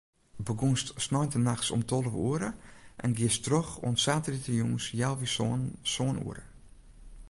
Begûnst sneintenachts om tolve oere en giest troch oant saterdeitejûns healwei sânen, sân oere.